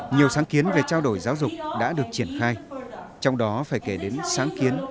nhiều sáng kiến về trao đổi giáo dục đã được triển khai trong đó phải kể đến sáng kiến